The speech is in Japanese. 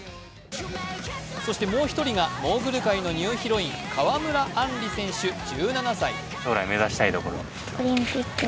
そしてもう１人がモーグル界のニューヒロイン、川村あんり選手１７歳。